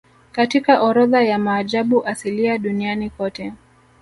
Katika orodha ya maajabu asilia duniani kote